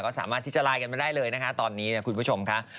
ก็สามารถทิจลายกันไปได้เลยนะคะตอนนี้คุณผู้ชมค่ะ